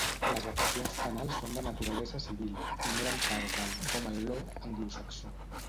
Les accions penals són de naturalesa civil i no eren part del "common law" anglosaxó.